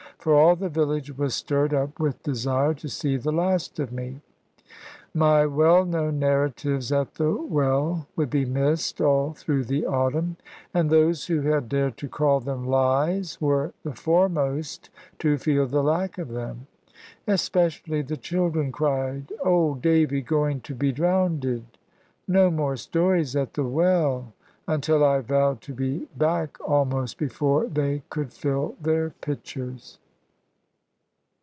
For all the village was stirred up with desire to see the last of me. My well known narratives at the well would be missed all through the autumn; and those who had dared to call them "lies," were the foremost to feel the lack of them. Especially the children cried "Old Davy going to be drownded! No more stories at the well!" Until I vowed to be back almost before they could fill their pitchers.